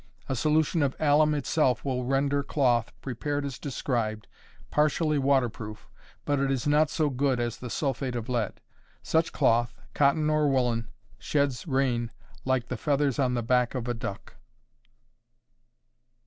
A solution of alum itself will render cloth, prepared as described, partially water proof, but it is not so good as the sulphate of lead. Such cloth cotton or woolen sheds rain like the feathers on the back of a duck.